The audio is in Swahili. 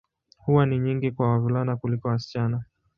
Huwa ni nyingi kwa wavulana kuliko wasichana.